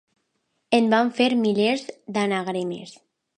En van fer milers, d'anagrames.